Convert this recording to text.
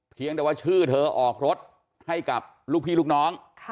เพียงแต่ว่าชื่อเธอออกรถให้กับลูกพี่ลูกน้อง